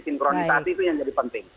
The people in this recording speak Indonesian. sinkronisasi itu yang jadi penting